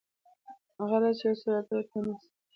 غله چې يو څو روپۍ ورته ونيسي.